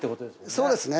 そうですね。